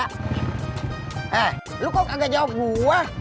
eh lu kok kagak jawab gua